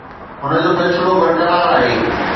هن جو فيصلو برقرار آهي.